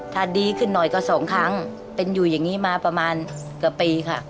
ถ้าดีขึ้นหน่อยก็สองครั้งเป็นอยู่อย่างนี้มาประมาณเกือบปีค่ะ